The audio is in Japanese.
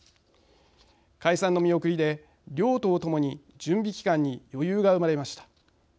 解散の見送りで、両党ともに準備期間に余裕が生まれました。